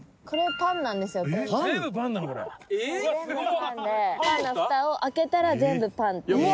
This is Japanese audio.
パンのふたを開けたら全部パンっていう。